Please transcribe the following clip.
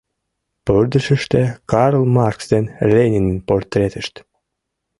Пырдыжыште Карл Маркс ден Ленинын портретышт.